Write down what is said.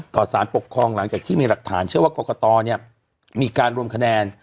สารปกครองหลังจากที่มีหลักฐานเชื่อว่ากรกตมีการรวมคะแนน